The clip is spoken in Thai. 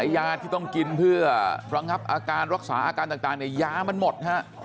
ยาที่ต้องกินเพื่อระงับอาการรักษาอาการต่างยามันหมดฮะ